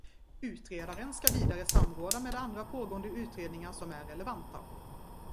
Utredaren ska vidare samråda med andra pågående utredningar som är relevanta.